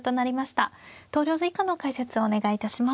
投了図以下の解説をお願いいたします。